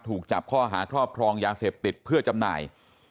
ถูกจับข้อหาครอบครองยาเสพติดเพื่อจำหน่าย